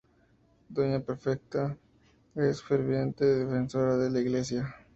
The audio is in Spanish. Doña Perfecta es ferviente defensora de la iglesia.